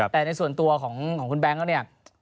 แต่ในส่วนตัวของคุณแบงค์ก็เนี่ย